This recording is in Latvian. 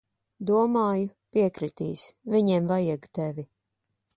Domāju, piekritīs. Viņiem vajag tevi.